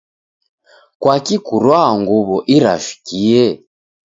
Kwaki kurwaa nguw'o irashukie?